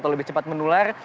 lebih cepat menular